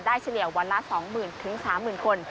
ได้เฉลี่ยวันละ๒๐๐๐๐ถึง๓๐๐๐๐คน